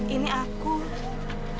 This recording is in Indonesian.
ini aku ranti